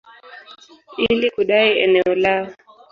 ili kudai eneo lao.